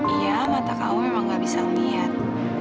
iya mata kamu memang gak bisa ngeliat